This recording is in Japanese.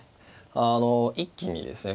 あの一気にですね